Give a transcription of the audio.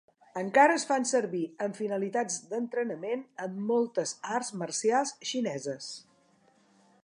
Encara es fan servir amb finalitats d'entrenament en moltes arts marcials xineses.